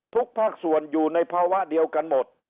ภาคส่วนอยู่ในภาวะเดียวกันหมด